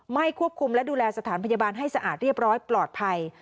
ควบคุมและดูแลสถานพยาบาลให้สะอาดเรียบร้อยปลอดภัย